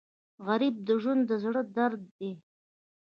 غریب د ژوند د زړه درد دی